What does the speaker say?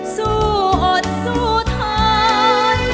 สุดท้าย